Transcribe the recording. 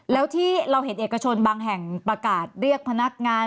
แล้วที่เราเห็นเอกชนบางแห่งประกาศเรียกพนักงาน